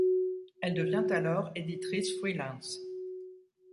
Elle devient alors éditrice free lance.